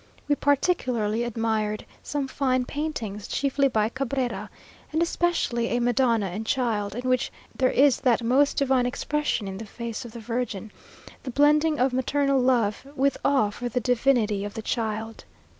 We particularly admired some fine paintings, chiefly by Cabrera, and especially a Madonna and child, in which there is that most divine expression in the face of the Virgin, the blending of maternal love with awe for the divinity of the child.